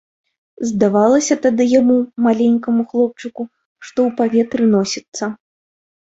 Здавалася тады яму, маленькаму хлопчыку, што ў паветры носіцца.